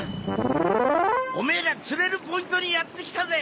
オメエら釣れるポイントにやって来たぜ！